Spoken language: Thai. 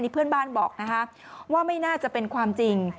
เพื่อนบ้านบอกว่าไม่น่าจะเป็นความจริง